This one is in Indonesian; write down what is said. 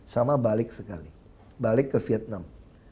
sama balik sekali balik ke vietnam